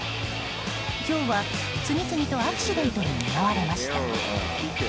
今日は次々とアクシデントに見舞われました。